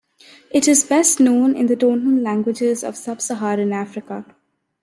It is best known in the tonal languages of Sub-Saharan Africa.